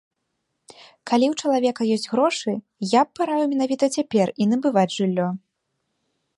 Калі ў чалавека ёсць грошы, я б параіў менавіта цяпер і набываць жыллё.